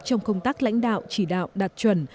trong công tác lãnh đạo chỉ đạo đạt chuẩn